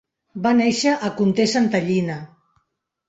Va néixer a Contessa Entellina.